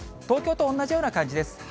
東京と同じような感じです。